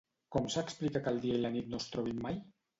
Com s'explica que el dia i la nit no es trobin mai?